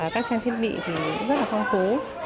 các trang thiết bị rất phong phú